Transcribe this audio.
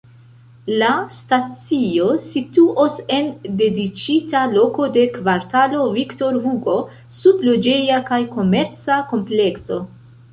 La stacio situos en dediĉita loko de kvartalo Victor-Hugo, sub loĝeja kaj komerca komplekso.